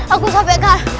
aku sampai kak